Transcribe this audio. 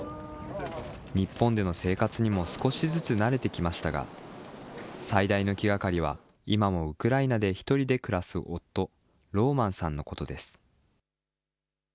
日本での生活にも少しずつ慣れてきましたが、最大の気がかりは、今もウクライナで１人で暮らす夫、ローマンさんのことです。